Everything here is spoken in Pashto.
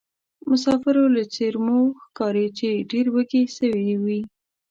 مسافرو له څېرومو ښکاري چې ډېروږي سوي یې.